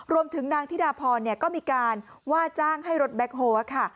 รวมถึงนางธิดาพรก็มีการว่าจ้างให้รถแบ็คโฮล์ค่ะ